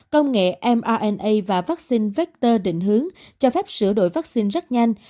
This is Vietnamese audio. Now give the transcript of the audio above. công nghệ mrna và vaccine vector định hướng cho phép sửa đổi vaccine rất nhanh